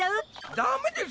ダメです！